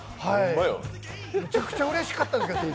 むちゃくちゃうれしかったです。